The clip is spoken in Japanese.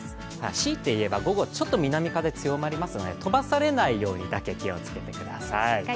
強いて言えば、午後はちょっと南風が強まりますので、飛ばされないようにだけ気をつけてください。